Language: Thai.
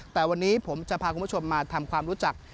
แต่วันนี้ผมจะพาคุณผู้ชมมาทำความรู้จัก